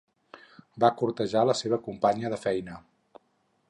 Va cortejar la seva companya de feina.